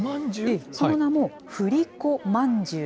その名も振りこまんじゅう。